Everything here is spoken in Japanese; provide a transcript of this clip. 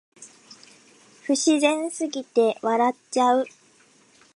不自然すぎて笑っちゃう